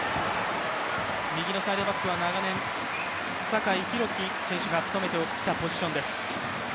右のサイドバックは長年酒井宏樹選手が務めてきたポジションです。